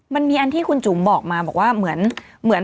มันมีอันที่คุณจุ๋มบอกมาบอกว่าเหมือน